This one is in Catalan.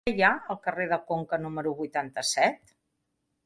Què hi ha al carrer de Conca número vuitanta-set?